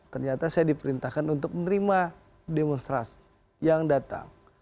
ternyata saya diperintahkan untuk menerima demonstrasi yang datang